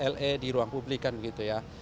le di ruang publik kan begitu ya